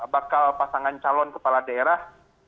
bakal pasangan calon kepala daerah